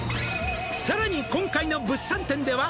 「さらに今回の物産展では」